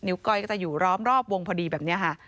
ก้อยก็จะอยู่ร้อมรอบวงพอดีแบบนี้ค่ะ